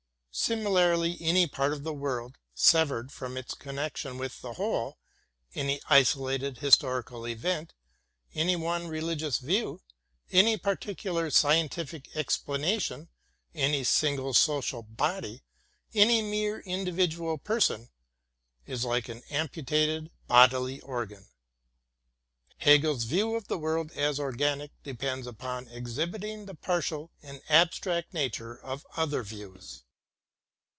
Sim ilarly any part of the world, severed from its connection with the whole, any isolated historical event, any one re ligious view, any particular scientific explanation, any single social body, any mere individual person, is like an ampu tated bodily organ. Hegel's view of the world as organic depends upon exhibiting the partial and abstract nature of other views.